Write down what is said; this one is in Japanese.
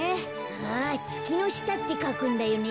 あつきのしたってかくんだよね。